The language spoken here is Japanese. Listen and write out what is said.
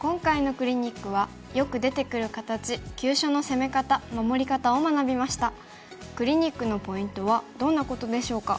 クリニックのポイントはどんなことでしょうか。